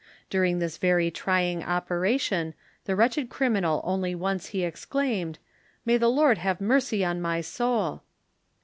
During this very trying operation, the wretched criminal only once he exclaimed, "May the Lord have mercy on my soul!"